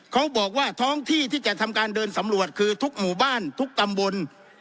เขาบอกว่าท้องที่ที่จะทำการเดินสำรวจคือทุกหมู่บ้านทุกตำบล